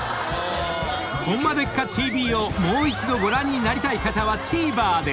［『ホンマでっか⁉ＴＶ』をもう一度ご覧になりたい方はＴＶｅｒで！］